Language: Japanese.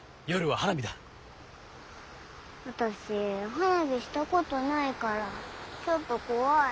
私花火したことないからちょっと怖い。